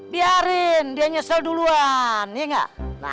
biarin dia nyesel duluan iya enggak